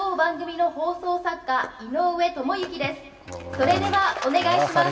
それではお願いします」。